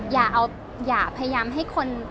อย่าพยายามให้คน